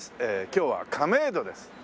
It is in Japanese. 今日は亀戸です。